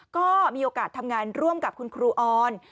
ก็มีโอกาสทำงานร่วมกับคุณครูออน